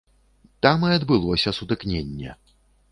Там і адбылося сутыкненне.